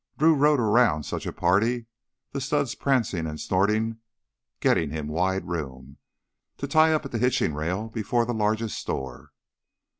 Drew rode around such a party, the stud's prancing and snorting getting him wide room, to tie up at the hitching rail before the largest store.